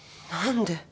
何で。